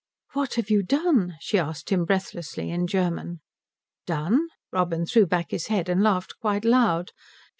"What have you done?" she asked him breathlessly, in German. "Done?" Robin threw back his head and laughed quite loud.